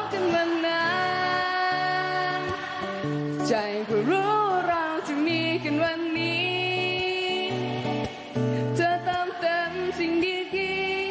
สุดยอดจริงขอเสียงตบมือหน่อยค่ะ